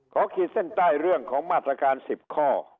ขีดเส้นใต้เรื่องของมาตรการ๑๐ข้อ